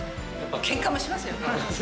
けんかもしますよ。